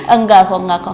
enggak kok enggak kok